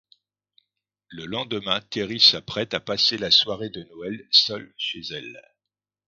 Le lendemain, Terry s'apprête à passer la soirée de Noël seule chez elle.